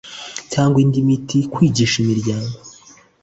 cyangwa indi miti kwigisha imiryango